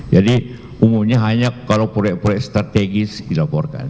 jadi umumnya hanya kalau proyek proyek strategis dilaporkan